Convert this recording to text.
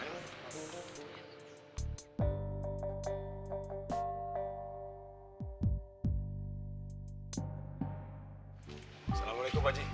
assalamualaikum pak ji